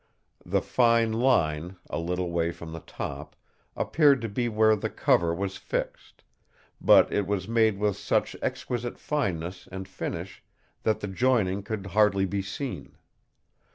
The fine line, a little way from the top, appeared to be where the cover was fixed; but it was made with such exquisite fineness and finish that the joining could hardly be seen.